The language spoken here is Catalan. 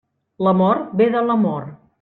L'amor ve de l'amor.